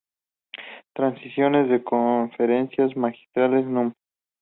Transcripciones de Conferencias Magistrales Núm.